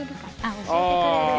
あ教えてくれる。